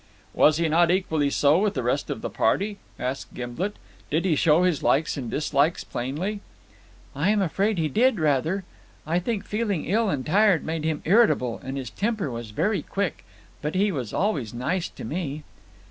"Was he not equally so with the rest of the party?" asked Gimblet. "Did he show his likes and dislikes plainly?" "I am afraid he did, rather. I think feeling ill and tired made him irritable, and his temper was very quick. But he was always nice to me."